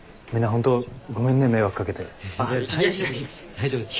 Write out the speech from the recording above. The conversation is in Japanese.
大丈夫です。